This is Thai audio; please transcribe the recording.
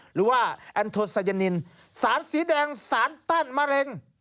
หรือว่าแอนโทไซยานินสารสีแดงสารตั้นมะเร็ง